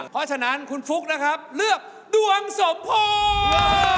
เพราะฉะนั้นคุณฟุ๊กนะครับเลือกดวงสมพงษ์